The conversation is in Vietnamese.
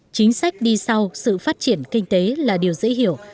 chính sách đi sau sự phát triển kinh tế là điều dễ hiểu